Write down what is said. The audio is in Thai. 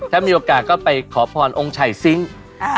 ถ้ามีโอกาสก็ไปขอพรองค์ชัยซิงค์